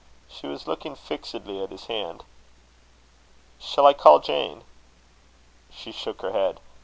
She was looking fixedly at his hand. "Shall I call Jane?" She shook her head.